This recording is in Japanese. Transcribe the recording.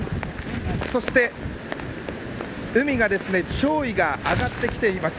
そして、海が潮位が上がってきています。